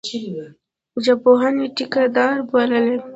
ژبپوهني ټیکه دار بللی.